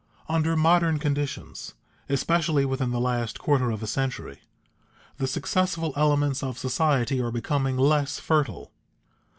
_ Under modern conditions, especially within the last quarter of a century, the successful elements of society are becoming less fertile.